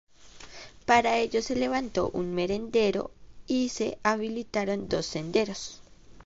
Para ello se levantó un merendero y se habilitaron dos senderos.